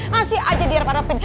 masih aja dia pada pen